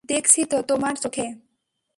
দেখছিতো তোমার চোখে।